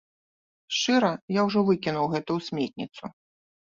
Шчыра, я ужо выкінуў гэта ў сметніцу.